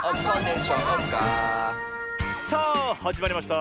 さあはじまりました